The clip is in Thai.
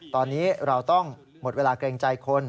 ตอนนี้เราต้องหมดเวลาเกรงใจคน